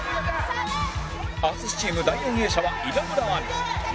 淳チーム第４泳者は稲村亜美